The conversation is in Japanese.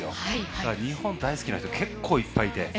だから、日本大好きな人結構いっぱいいて。